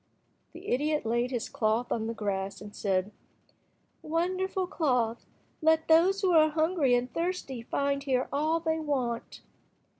The idiot laid his cloth on the grass, and said— "Wonderful cloth, let those who are hungry and thirsty find here all they want."